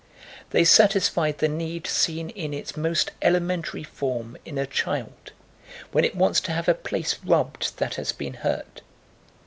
They satisfied the need seen in its most elementary form in a child, when it wants to have a place rubbed that has been hurt.